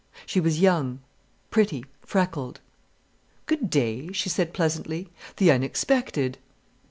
She was young, pretty, freckled. "Good day!" she said pleasantly. "The unexpected."